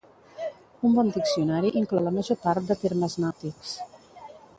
Un bon diccionari inclou la major part de termes nàutics.